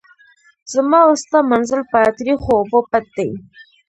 زما او ستا منزل په تریخو اوبو پټ دی.